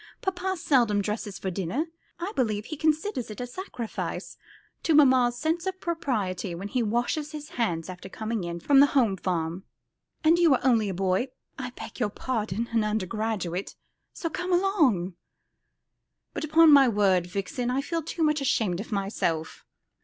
Papa seldom dresses for dinner. I believe he considers it a sacrifice to mamma's sense of propriety when he washes his hands after coming in from the home farm. And you are only a boy I beg pardon an undergraduate. So come along." "But upon my word, Vixen, I feel too much ashamed of myself."